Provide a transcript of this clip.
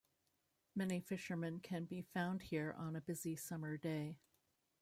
Many fishermen can be found here on a busy summer day.